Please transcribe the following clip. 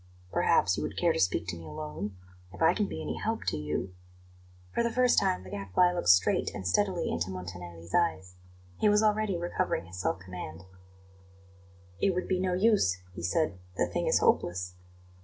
"Perhaps you would care to speak to me alone? If I can be any help to you " For the first time the Gadfly looked straight and steadily into Montanelli's eyes; he was already recovering his self command. "It would be no use," he said; "the thing is hopeless."